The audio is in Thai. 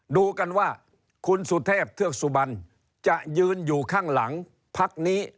ดูกันว่าคุณสุเทพเทือกสุบันจะยืนอยู่ข้างหลังพักนี้